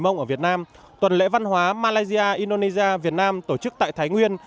mông ở việt nam tuần lễ văn hóa malaysia indonesia việt nam tổ chức tại thái nguyên